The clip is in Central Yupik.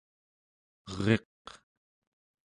eriq